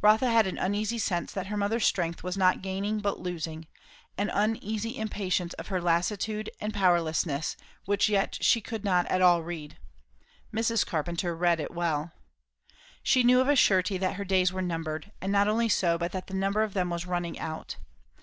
Rotha had an uneasy sense that her mother's strength was not gaining but losing; an uneasy impatience of her lassitude and powerlessness, which yet she could not at all read. Mrs. Carpenter read it well. She knew of a surety that her days were numbered; and not only so, but that the number of them was running out.